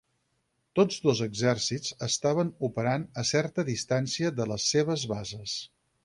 Tots dos exèrcits estaven operant a certa distància de les seves bases.